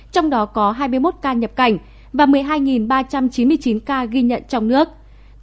trong đó có hai mươi một ca nhập cảnh và một mươi hai ba trăm chín mươi chín ca ghi nhận trong nước